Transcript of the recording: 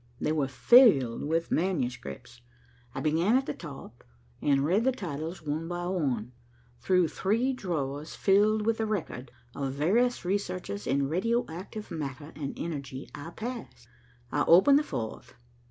They were filled with manuscripts. I began at the top and read the titles one by one. Through three drawers filled with the record of various researches in radio active matter and energy I passed. I opened the fourth.